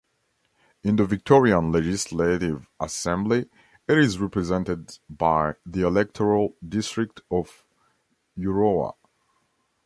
In the Victorian Legislative Assembly, it is represented by the Electoral district of Euroa.